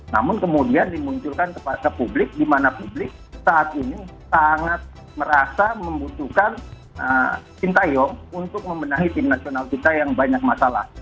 namun kemudian dimunculkan kepada publik di mana publik saat ini sangat merasa membutuhkan sintayong untuk membenahi tim nasional kita yang banyak masalah